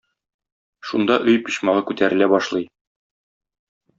Шунда өй почмагы күтәрелә башлый.